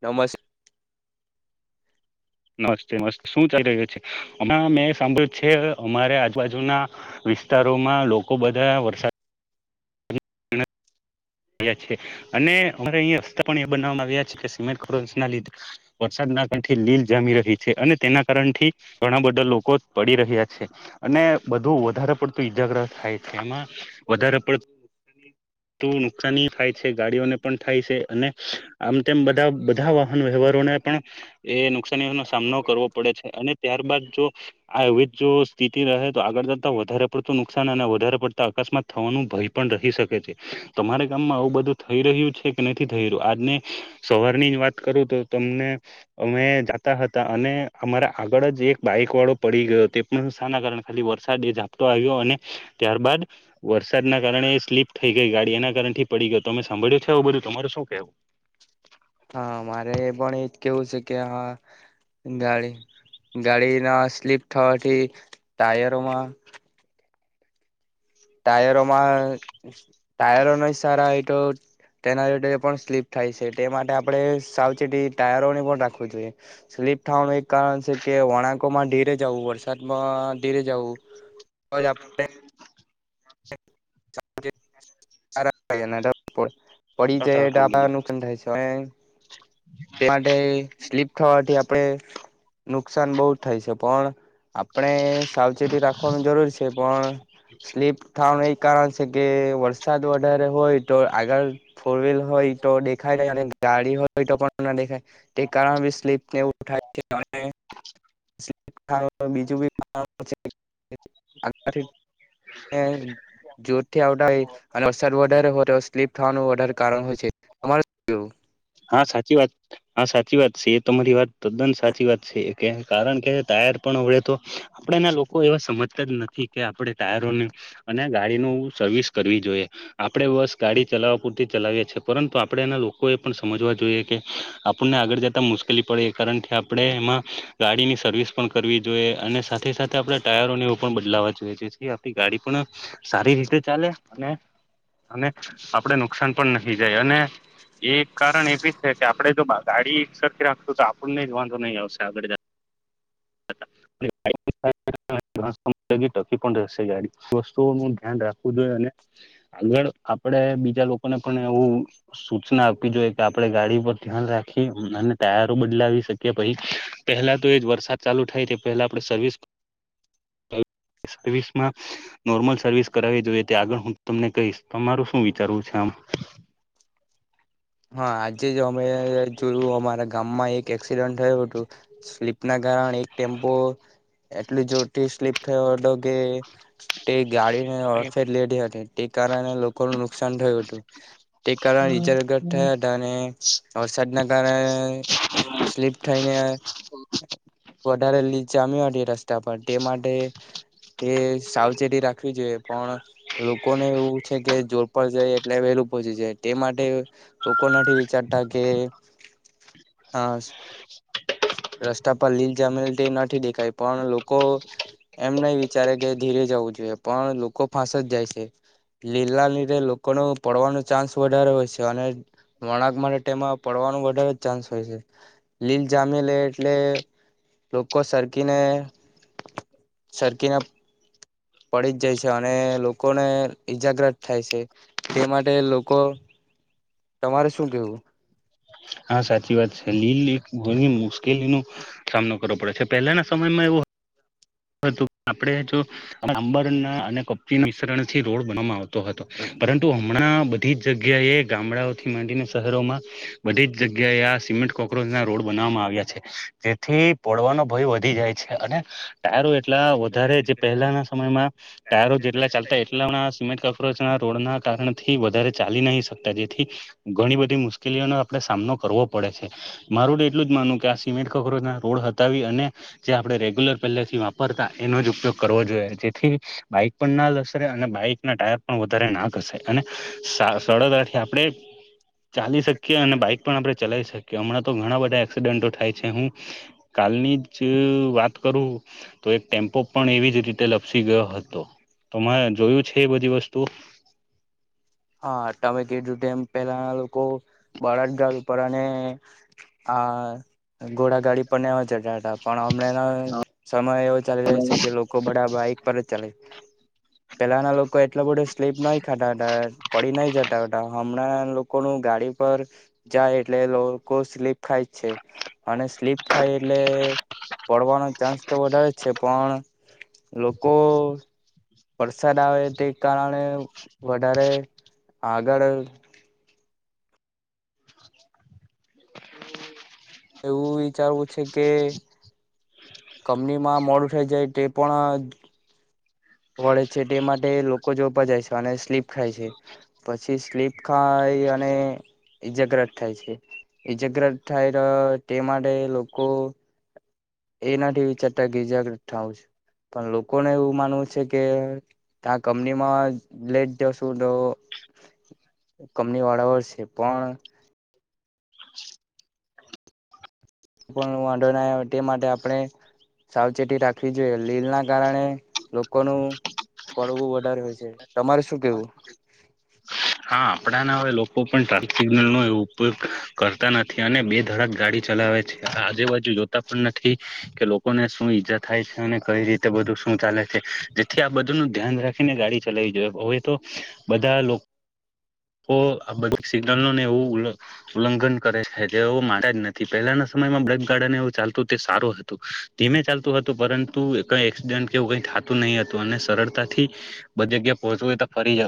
નમસ્ નસ્તે નસ્તે શું ચાલી રહ્યો છે હમણાં મેં સાંભળ્યું છે અમારે આજુબાજુના વિસ્તારોમાં લોકો બધા વરસાદ આવ છે અને અમા અહીંયા રસ્તા પણ બનાવામાં આવ્યા છે કે સિમેન્ટો ના લીધે વરસાદ થી લીલ જામી રહી છે અને તેના કારણથી ઘણા બધા લોકો પડી રહ્યા છે અને બું વધારે પડતું ઈજાગ્રસ્ત થાય છે એમાં વધારે પડત નુકસાની થાય છે ગાડીઓને પણ થાય સે અને આમ તેમ બધા બધા વાહન વ્યવહારોને પણ એ નુકસાની ન સામનો કરવો પડે છે અને ત્યારે બાદ જો આ એવી જ જો સ્થિતિ રહે તો આગળ જતા વધારે પડતું નુકસાન અને વધારે પડતા અકસ્માત થવાનું ભય પણ રહી શકે છે તમારે ગામમાં આવું બધું થઈ રહ્યું છે કે નથી થઈ રહ્યું આજને સવારની જ વાત કરું તો તમને અમે જતા હતા અને અમારા આગળ જ એક બાઈક વાળો પડી ગયો તે પણ સાના કારણે ખાલી વરસાદ એ ઝાપટો આવ્યો અને ત્યારબાદ વરસાદના કારણે સ્લીપ થઈ ગઈ ગાડી એના કારણ થી પડી ગયો તમે સાંભળ્યો છે એયું બધું તમારે શું કેવું હા મારે એ પણ એજ કેવું છે કે હા ગાડી ગાડી ના સ્લીપ થવાથી ટાયરો માં ટાયરોમાં ટાયરો ન સારા એ તો તેનારેટ પણ સ્લીપ થાય છેટ તે માટે આપણે સાવચેતી ટાયરો ની પણ રાખવું જોઈએ સ્લીપ થાવાનું એક કારણ છે કે વણા માં ધીરે જવું વરસાદમાં ધીરે જવું તો આપણે પડી જાય કહેવું ડાબા નુકસાન થાય છે તે માટે સ્લીપ થવાથી આપણે નુકસાન બહુ જ થાય છે પણ આપણે સાવચેતી રાખવાનું જરૂર છે પણ સ્લિપ થાવના કારણ કે વરસાદ વધારે હોય તો આગળ ફોર વ્હીલ હોય તો દેખાયાય નૈ ગાળી હોય તો પણ ના દેખાય તે કારણ બી સ્લીપનેવું થાય છે બીજું બી [unintelligible] [unintelligible] હમ [unintelligible] જોરથી આવતા એ અને વરસાદ વધારે હોય તો સ્લીપ થવાનું વધારે કારણ હોય છેઅમારે હા સાચી વાત હા સાચી વાત છે એ તમારી વાત તદ્દન સાચી વાત છે કારણ કે ટાયર પણ હવે તો આપણે ના લોકો એવા સમજતા જ નથી કે આપણે ટાયરોને અને ગાડી નું સર્વિસ કરવી જોઈએ આપડણે બસ ગાડી ચલાવવા પૂરતી ચલાવીએ છીએ પરંતુ આપણેે એના લોકોએ સમજવા જોઈએ કે આપણને આગળ જતા મુશ્કેલી પડે કારણ કે આપણે એમાં ગાડીની સર્વિસ પણ કરવી જોઈએ અને સાથે સાથે આપડા ટાયરો ને એવુ પણ બદલાવા જોઈએ જે આપ ગાડી પણ સારી સારી રીતે ચાલે અને અને આપડ નુકસાન પણ નહી જાય અને એ એક કારણ એવી છે કે આપણે જો ગાડી એક સરી રાખશું તો આપણને જ વાંધો નહીં આવશે આગળ જ [unintelligible] ઘણાસમય સુધી ટકી પણ રહેશે ગાડી વસ્તુઓ નું ધ્યાન રાખવું જોઈએ અને આગળ આપ આપડે બીજા લોકોને પણ એવું સૂચના આપવી જોઈએ કે આપણે ગાડી પર ધ્યાન રાખી અને તયેરો બદલાવી શકી પહી પહેલા તો એજ વરસાદ ચાલુ થાય છે પહેલા આપ સર્વિસ હ [unintelligible] સર્વિસમાં નોર્મલ સર્વિસ કરાવવી જોઈએ તે આગળ હું તમને કહીશ તમારું શું વિચારવું છે આ [inaudible] હા આજે જ અમે જોયું અમારા ગામમાં એક એડ થયું હતું સ્લીપ ના કારણે એક ટેમ્પો એટલું જો જોરથી સ્લીપ થ કે તે ગાડી ને હમ અર્ફેટ લેતી હતી તે કારણે લોકોનું નુકસાન થયું હતું તે કારણે ઇજગટ હમ થયા હતા અને વરસાડ ના કારણે સ્લીપ થઈને [inaudible] વધારેલી જામીહતી એ રસ્તા પર તે માટે તે સાવચેતી રાખવી જોઈએ પણ લોકોને એવું છે કે જોરપ જાય એટલે વેહલું પહોચી જાય તે માટે લોકો નથી વિચારતા કે હા રસ્તા પર લીલ જમેલ તે નથી દેખાય પણ લોકો એમ નહી વિચારે કે ધીરે જવું જોઈએ પણ લોકો ફાંસ જ જાય છે લીલા લીધે લોકો ન પડવાનો ચાન્સ વધારે હોય છે અને વણાાક માટે તેમાં પડવાનું વધારે જ ચાન્સ હોય છે લીલ જામેલે એટલે લોકો સરખને સરખને પડી જ જાય છે અને લોકોને ઈજાગ્રત થાય છે તે માટે લોકો [inaudible] તમારે શું કેવું [inaudible] હા સાચી વાત છે લીલ એક ઘણી મુશ્કેલીનો સામનો કરવો પડે છે પહેલાના સમયમાં એવો આપડે જો આંબરના અને કપરી મિશ્રણ થી રોડ બનાવામાં આવતા હતો પરંતુ હમણાં બધી જગ્યાએ ગામડાઓથી માંડીને શહેરો માં બધી જગ્યાએ આ સિમેન્ટ કોક્રોચ ના રોડ બના આવ્યા છે જેથી પડવાનો ભય વધી જાય છે અને ટાયરો એટલા વધારે જે પહેલાના સમયમાં ટાયો જેટલા ચાલતા એટલા સિમેન્ટ કફરો રોડ ના કારણથી વધારે ચાલી નહી શકતા જેથી ઘણી બધી મુશ્કેલીઓનો આપડણે સામનો કરવો પડે છે મારું તો એટલું જ માનુંવ કે આ સિમેન્ટ ખખરો ના રોડ હતાી અને જે આપણે રેગ્યુલર પહેથી વાપરતા એનો જ ઉપયોગ કરવો જોઈએ જેથી બાઈક પણ ના લસરે અને બાઈક ના ટાયર પણ વધારે નાક હશે અને સરડદ આથી આપણેે ચાલી શકીએ અને બાઈક પણ આપડણે ચલાવી શકીએ હમણાં તો ઘણા બધા એક્સિડન્ટો થાય છે હું કાલની જ વાત તો એક ટેમ્પો પણ એવી જ રીતે લપસી ગયો હતો તો મે જોયું છે બધી વસ્તુ હા તમે કીધું એ પેલા લોકો બળા જ ગળ ઉપર અને આ ઘોડા ગાડી પણવા ચઢ પણ હમણાં સમય એવો ચાલી રહ્યો છે કે લોકો બધા બાઈક પર જ ચાલે પેલાના લોકો એટલો બધો સ્લીપ નાહી ખાતા હતાર નઈ જતાટા હમણાં લોકો ન ગાડી પર જાય એટલે લોકો સ્લીપ ખાય જ છે અને સ્લીપ ખાય એટલે પડવાનો ચાન્સ તો વધારે છે પણ લોકો વરસાદ આવે તે કારણે વધારે આગળ એવું વિચારવું છે કે કંમનીમાં મોડું થઇ જાય તે પણ વડે છે તે માટે લોકો જોવા જાય છે અને સ્લીપ ખાય છે પછી સ્લીપ ખા [inaudible] ઈજાગ્રત થાય છે ઈજાગ્રત થાય તો તે માટે લોકો એનાથી વિચારતા ગીજા થાવ છે પણ લોકોને એવું માનવું છે કે ત્યા કંપનીમાં લેટ જાશું તો [inaudible] કમની વાળા વળ છે પણ વાંધો ના તે માટે આપણે સાવચેતી રાખવી જોઈએ લીલ ના કારણે લોકોનું પડવ વધારે હોય છે તમારે શું કેવું [inaudible] હા આપણા ના હવે લોકો પણ ટ્રાફિક સિગ્નલ નો એવ ઉપયોગ કરતા નથી અને બે ધડાક ગાડી ચલાવે છે આજુબાજુ જોતા પણ નથી કે લોકોને શું ઈજા થાય છે અને કઈ રીતે બધું ચાલે છે જેથી આ બધું ન ધ્યાન રાખીને ગાડી ચલાવી જોઈ હવે તો બધા [inaudible] આ બધી સિગ્નલોને એવું ઉલ્લંઘન કરે છે તેવ માનતા જ નથી પહેલાના સમય એવું ચાલતું તે સારું હતું ધીમે ચાલતું હતું પરંતુ ક એક્સિડન્ટ કેવું ક નહી હતું અને સરળતાથી બધ જગ્યા પહોચુંય તો ફરી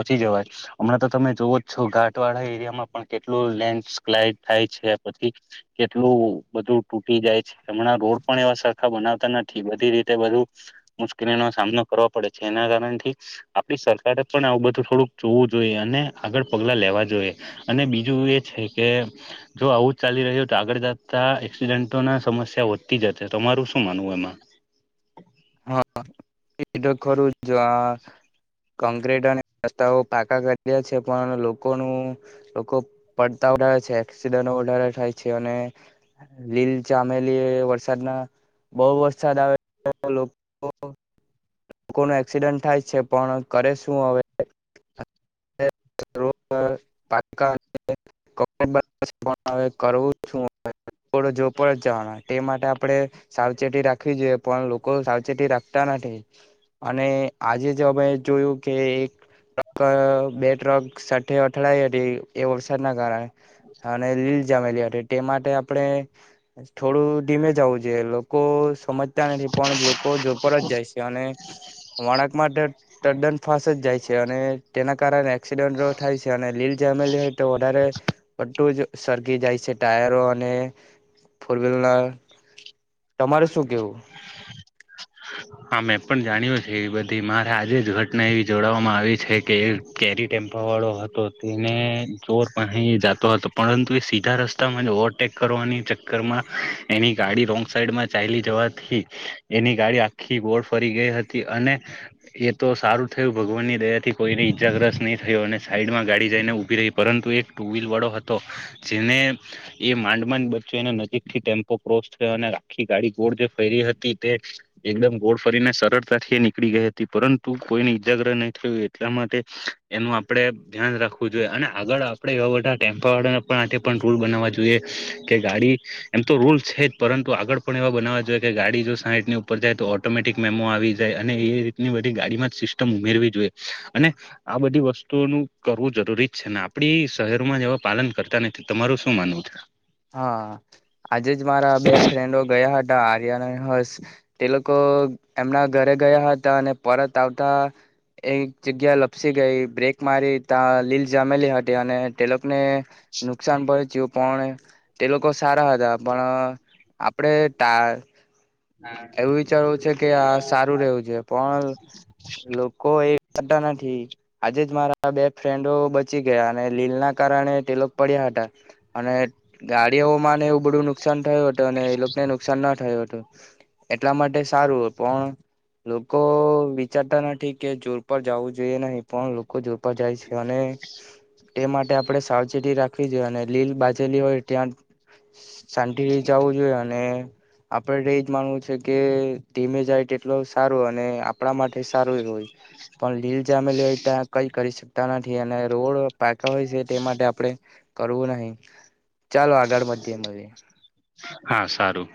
નથી જવાય હણાં તો તમે જોવો જ છ ઘાટવાળા એરિયામાં પણ કેટલું લેન્ડ સ્લાઈડ થાય છે પછી કેટલું બધું તૂટી જાય છે હમણાં રોડ પણ એવા સરખા બનાવતા નથી રી બ મુશ્કેલી ન સામનો કરવાો પડે છે એના કારણથી આપણી સરકારે પણ આવું બધું થોડુંક જોવું જોઈએ અને આગળ પગલા લેવા જોઈએ અને બીજું એ છે કે જો આવું. ચાલી રહ્યું તો આગળ જતા એક્સિડેન્ટો ના સમસ્યા વધતી જશે તમારું શું માનવું એમાં. હા એ ખરું જો આ કોંક્રટ અને રસ્તાઓ પાકા કરી્યા છે પણ લોકોનું લોકો પડતા ારે છે એક્સડન્ટ વધારે થાય છે અને લીલ ચામેલી વરસાદના બહુ વરસાદ આવે લોકો લોકો ન એક્સિડન્ટ થાય છે પણ કરે શું હવે કા કરું ડ જોપ જવાના તે માટે આપણે સાવચેતી રાખવી જોઈએ પણ લોકો સાવચેતી રાખતા નથી અને આજે જ અમે જોયું કે એક ટ્રક બે ટ્રક સ અથડાઈ હતી એ વરસાદ ના કારણે. અને લીલ જમેલી માટે તે માટે આપડણે. થોડું ડીમેજ આવઉ છે લોકો સમજ્યા આ. પણ લોકો જોપ જ જાય છે અને. વળક માટે તદ્દન ફાસ જ જાય છે અને તેના કારણે એક્સિડન્ટ થાય છે અને લીલ જ. લી હોય તો વધારે બટું જ સરગી જાય છે ટાયરો અને. ફોર વ્લ ના તમારે શું કેવું. હા મેં પણ જાણ્યું છે એ બધી મારે આજે જ ઘટના એવી જોડવામાં આવી છે કે કેરી. વાો હતો તેને ચર પા જતો હતો પરંતુ એ સીધા રસ્તામાં જ ઓવરટેક. કરવા ચક્કરમાં એની ગાડી રોંગ સાઈડમાં ચાલી જવાથી એની ગાડી. આખી બોળ ફરી ગઈ હતી અને એ તો સારું થયું ભગવાન ની દયા થી કોઈને ઈજાગ્રત નહી. થ અને સાઈડમાં ગાડી જઈને ઉભી રહી પરંતુ એક ટુ વ્હીલ વાળો હતો જેને એ મા. અંડડ બચ્ચ્યો એને નજીક થી ટેમ્પો ક્રોસ થયો અને આખી ગાડી ગોળ જે ફેરી હતી તે. એકદમ ગોડ ફરીને સરળતાથી નીકળી ગઈ હતી પરંતુ કોઈને ઈજાગ્ર નહી થયયો એટલા માટે. એનું આપડે ધ્યાન રાખવું જોઈએ અને આગળ આપડે એવા બધા ટેમ્પા વાળા. પણ આ પણ રૂલ બનાવવા જોઈએ. કે ગાડી એમ તો રૂલ્ છે જ પરંતુ આગળ પણ એવા બનાવવા જોઈએ કે ગાડી જો સાહીઠનીર. ઉપર જાય તો ઓટોમેટિક મેમો આવી જાય અને એ રીતની બધી ગાડીમાં જ સિસ્ટમ ઉમેરવી જોઈએ અને. આ બધી વસ્તુઓનું કરવું જરૂરી જ છે ને આપડી શહેરોમાં જેવા પાલન કરતા નથી તમારું શું માનવું છે. હા આજે જ મારા બે ફ્રેન્ડો ગયા હતા. આર્યના હસ તે લોકો એમના ઘરે ગયા હતા અને પરત આવતા. એક જગ્યા લપસી ગઈ બ્રેક મારી ત્યાં લીલ જમેલી હતી અને ટેલો ને નુકસાન પડેચું પણ તે લોકો સારા હતા પણ આપડે તા હા સારું રહેવું છે પણ [unintelligible] લોકો એ વાટ ના ઠી [unintelligible] આજે જ મારા બે ફ્રેન્ડો બચી ગયા અને લીલ ના કારણે તે લોકો પડ્યા હતા અને ગાડીઓમાંને એવું બધું નુકસાન થયું હતું અને એ લોકોને નુકસાન ના થયું હતું એટલા માટે સારું પણ લોકો વિચારતા નથી કે જોર પર જવું જોઈએ નહી પણ લોકો જોર પર જાય છે અને તે માટે આપણે સાવચેતી રાખવી જોઈએ અને લીલ બાજેલી હોય ત્યાં સાંતિ ર જવું જોઈએ અને આપડે એજ માનવું છે કે ધીમે જાય તેટલો સારું હો આપણા માટે સારું એ હોય પણ લીલ જામેલી હોય ત્યાં કઈ કરી શકતા નથી અને રોડ પાકા હોય છે તે માટે આપણેે કરવું નહી. ચાલો આગળ વધીએ મળીએ. [unintelligible] હા સારું.